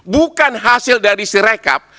bukan hasil dari si rekap